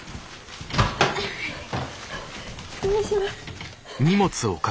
失礼します。